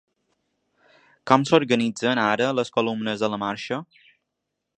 Com s’organitzen ara les columnes de la marxa?